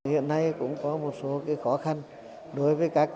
hiện nay cũng có một số khó khăn đối với các nhà đầu tư